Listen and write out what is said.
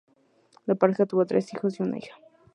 La pareja tuvo tres hijos y una hija.